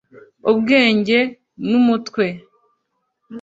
ubwenge n’umwete”